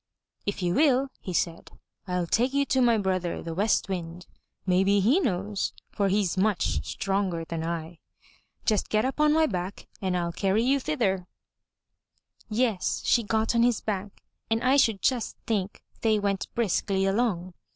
"If you will," he said, "I'll take you to my brother, the West Wind. Maybe he knows, for he's much stronger than I. Just get up on my back and I'll carry you thither." 403 MY BOOK HOUSE Yes, she got on his back, and I should just think they went briskly along.